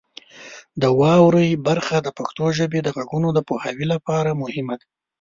د واورئ برخه د پښتو ژبې د غږونو د پوهاوي لپاره مهمه ده.